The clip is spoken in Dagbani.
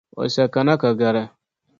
O sa kana ka gari.